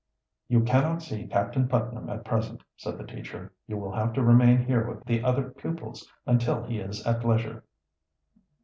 "You cannot see Captain Putnam at present," said the teacher. "You will have to remain here with the other pupils until he is at leisure."